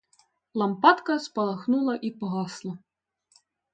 Лампадка спалахнула і погасла.